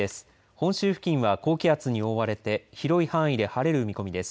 本州付近は高気圧に覆われて広い範囲で晴れる見込みです。